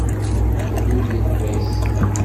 Ḥedd ur yeṭṭis.